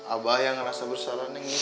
abah yang ngerasa bersalah neng